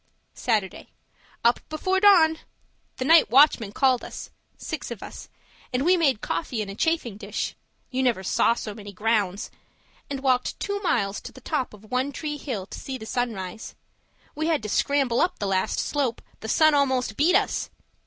Saturday Up before dawn! The night watchman called us six of us and we made coffee in a chafing dish (you never saw so many grounds!) and walked two miles to the top of One Tree Hill to see the sun rise. We had to scramble up the last slope! The sun almost beat us!